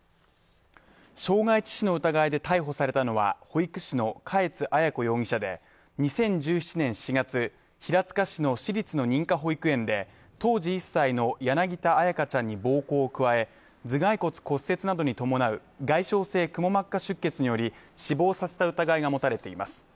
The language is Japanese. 傷害致死の疑いで逮捕されたのは保育士の嘉悦彩子容疑者で、２０１７年４月、平塚市の私立の認可保育園で当時１歳の柳田彩花ちゃんに暴行を加え、頭蓋骨骨折などに伴う外傷性くも膜下出血により死亡させた疑いが持たれています。